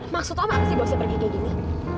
maksudnya apa sih bawa saya pergi begini